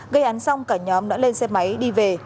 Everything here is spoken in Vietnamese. gây án xong cả nhóm đã lên xe máy đi về